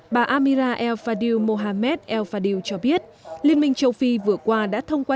bà amira el fadil mohamed el fadio cho biết liên minh châu phi vừa qua đã thông qua